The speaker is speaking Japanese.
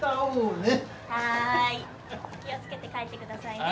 気を付けて帰ってくださいね。